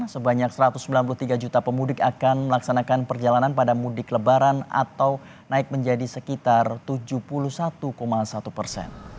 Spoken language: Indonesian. sebanyak satu ratus sembilan puluh tiga juta pemudik akan melaksanakan perjalanan pada mudik lebaran atau naik menjadi sekitar tujuh puluh satu satu persen